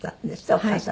お母様。